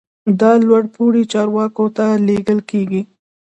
دا لوړ پوړو چارواکو ته لیکل کیږي.